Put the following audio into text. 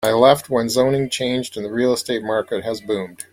I left when the zoning changed and the real estate market has boomed.